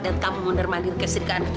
dan kamu mendermandir ke sirikan